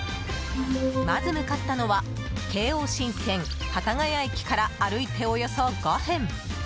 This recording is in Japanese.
まず向かったのは京王新線幡ヶ谷駅から歩いておよそ５分。